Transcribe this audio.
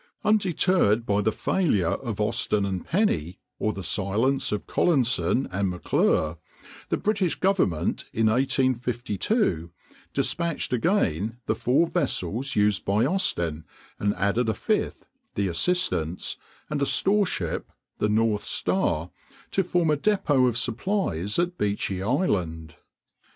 Undeterred by the failure of Austin and Penny, or the silence of Collinson and M'Clure, the British government in 1852 despatched again the four vessels used by Austin, and added a fifth, the Assistance, and a store ship, the North Star, to form a depôt of supplies at Beechey Island.